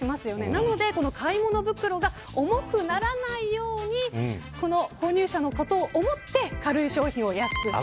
なので買い物袋が重くならないように購入者のことを思って軽い商品を安くしている。